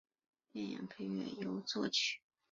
电影配乐由作曲。